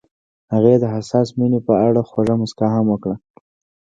هغې د حساس مینه په اړه خوږه موسکا هم وکړه.